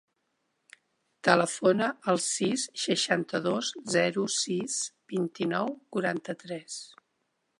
Telefona al sis, seixanta-dos, zero, sis, vint-i-nou, quaranta-tres.